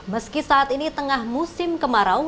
meski saat ini tengah musim kemarau